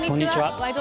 「ワイド！